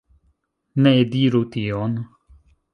Ne diru tion